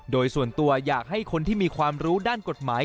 โดยส่วนตัวอยากให้คนที่มีความรู้ด้านกฎหมาย